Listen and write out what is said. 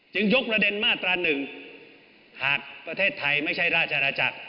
จึงยกระเด็นมาตราหนึ่งหากประเทศไทยไม่ใช่ราชราจักร